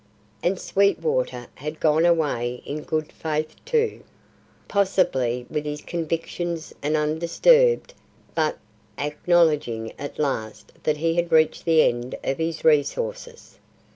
And Sweetwater had gone away in good faith, too, possibly with his convictions undisturbed, but acknowledging at last that he had reached the end of his resources.